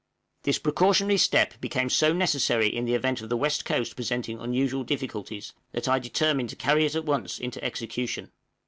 This precautionary step became so necessary in the event of the west coast presenting unusual difficulties, that I determined to carry it at once into execution.